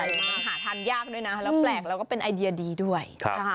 หาทานยากด้วยนะแล้วแปลกแล้วก็เป็นไอเดียดีด้วย